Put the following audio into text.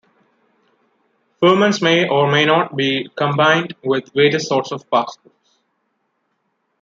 Firmans may or may not be combined with various sorts of passports.